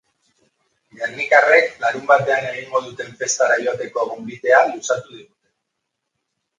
Gernikarrek larunbatean egingo duten festara joateko gonbitea luzatu digute.